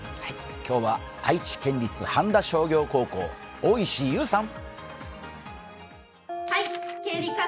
今日は愛知県立半田商業高校、大石優さん。